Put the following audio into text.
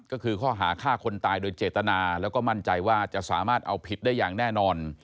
ก็คือข้อหาฆ่าคนตายโดยเจตนาแล้วก็มั่นใจว่าจะสามารถเอาผิดได้อย่างแน่นอน